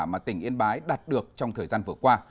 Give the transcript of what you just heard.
mà tỉnh yên bái đạt được trong thời gian vừa qua